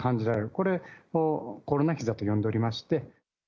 これ、コロナひざと呼んでおりまして。